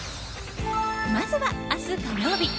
まずは明日、火曜日。